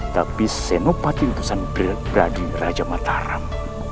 tapi senopati utusan pribadi raja mataram